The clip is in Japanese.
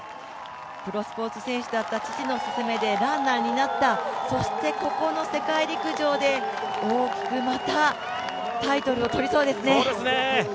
プロスポーツ選手だった父のすすめでランナーになった、そしてここの世界陸上で大きくまたタイトルを取りそうですね。